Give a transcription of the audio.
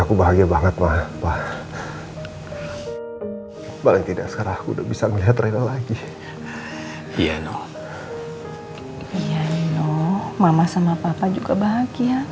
malah tidak sekarang udah bisa melihat rina lagi ya noh iya noh mama sama papa juga bahagia